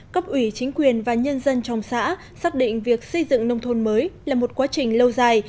cấp ủy chính quyền và nhân dân trong xã xác định việc xây dựng nông thôn mới là một quá trình lâu dài